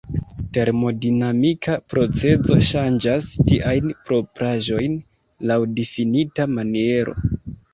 Termodinamika procezo ŝanĝas tiajn propraĵojn laŭ difinita maniero.